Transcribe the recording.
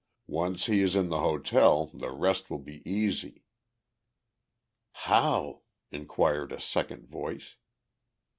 Once he is in the hotel, the rest will be easy." "How?" inquired a second voice.